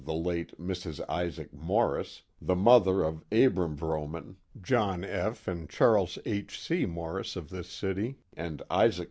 the Ute Mrs. Isaac Monfo, the ni,(^er of Abram Vropman. John F; and Charles H, Q:,. Mor ris>; of this dty^ and Isaac.